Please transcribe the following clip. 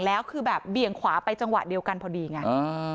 แล้วคือแบบเบี่ยงขวาไปจังหวะเดียวกันพอดีไง